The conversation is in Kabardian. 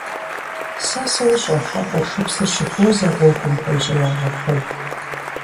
Сэ сощӀэ, а къуршыпсыр щыхуозэ гъуэгум къуейщӀеягъэ куэд.